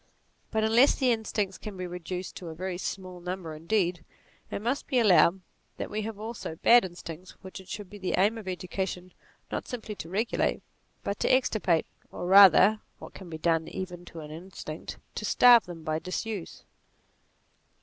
But unless the instincts can be reduced to a very small number indeed, it must be allowed that we have also bad instincts which it should be the aim of education not simply to regulate but to extirpate, or rather (what can be done even to an instinct) to starve them by disuse.